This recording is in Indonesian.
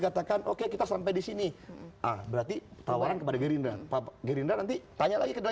katakan oke kita sampai di sini berarti tawaran kepada gerindra pak gerindra nanti tanya lagi ke